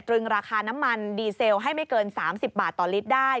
ตรึงราคาน้ำมันดีเซลให้ไม่เกิน๓๐บาทต่อลิตรได้